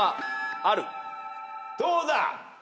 どうだ？